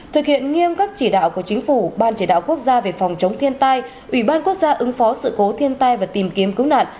thực hiện nghiêm các chỉ đạo của chính phủ ban chỉ đạo quốc gia về phòng chống thiên tai ủy ban quốc gia ứng phó sự cố thiên tai và tìm kiếm cứu nạn